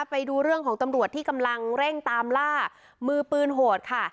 ไปดูเรื่องของตำรวจที่กำลังเร่งตามล่ามือปืนโหดค่ะ